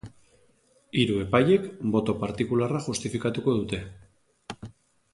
Hiru epailek boto partikularra justifikatuko dute.